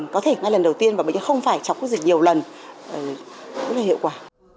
có thể ngay lần đầu tiên và bệnh nhân không phải chống dịch nhiều lần rất là hiệu quả